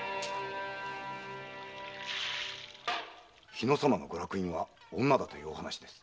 日野様のご落胤は女だという話です。